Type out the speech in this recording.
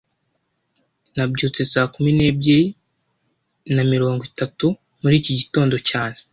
Nabyutse saa kumi n'ebyiri na mirongo itatu muri iki gitondo cyane